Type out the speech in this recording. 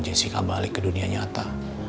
saya mau jessica balik ke dunia nyata